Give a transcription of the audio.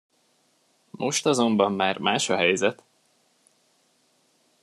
Most azonban már más a helyzet!